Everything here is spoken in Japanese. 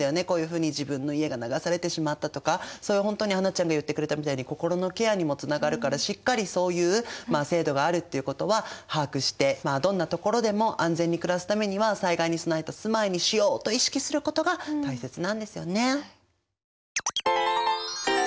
こういうふうに自分の家が流されてしまったとかそういう本当に英ちゃんが言ってくれたみたいに心のケアにもつながるからしっかりそういう制度があるっていうことは把握してどんなところでも安全に暮らすためには災害に備えた住まいにしようと意識することが大切なんですよね。